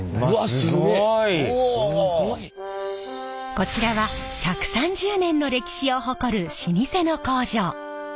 こちらは１３０年の歴史を誇る老舗の工場。